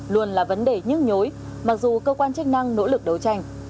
luôn là vấn đề nhức nhối mặc dù cơ quan chức năng nỗ lực đấu tranh